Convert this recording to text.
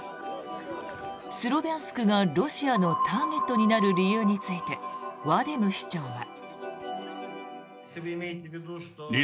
スロビャンスクがロシアのターゲットになる理由についてワディム市長は。